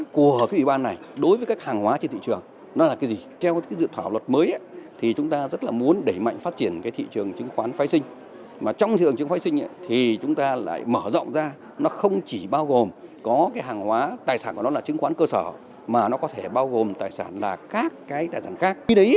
có cái hàng hóa tài sản của nó là chứng khoán cơ sở mà nó có thể bao gồm tài sản là các cái tài sản khác